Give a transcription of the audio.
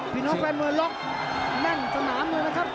พี่น้องแฟนมวยล็อกแน่นสนามเลยนะครับ